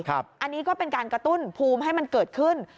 อันนี้ก็เป็นการกระตุ้นภูมิให้มันเกิดขึ้น